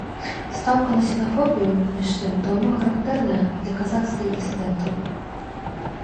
Стаўка на сінафобію, між тым, даўно характэрная для казахскіх дысідэнтаў.